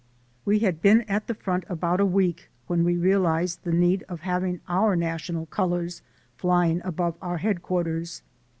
We had been at the front about a week, when we realized the need of having our national colors flying above our headquarters.